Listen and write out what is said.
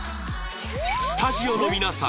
スタジオの皆さん